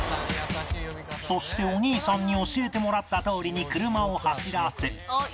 そしてお兄さんに教えてもらったとおりに車を走らせ